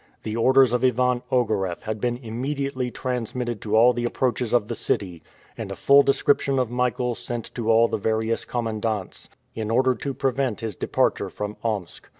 The orders of Ivan Ogareff had been immediately transmitted to all the approaches of the city, and a full description of Michael sent to all the various commandants, in order to prevent his departure from Omsk.